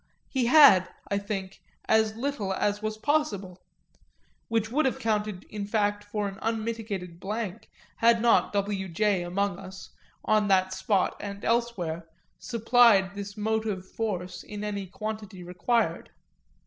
He had, I think, as little as was possible which would have counted in fact for an unmitigated blank had not W. J., among us, on that spot and elsewhere, supplied this motive force in any quantity required.